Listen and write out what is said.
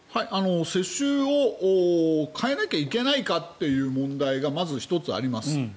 世襲を変えなきゃいけないかという問題がまず１つあります。